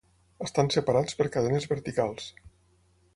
Estan separats per cadenes verticals.